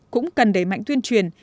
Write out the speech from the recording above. cũng cần đẩy mạnh tuyên truyền